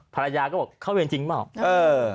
ภรรยาก็บอกเข้าเวรจริงเปล่าเออ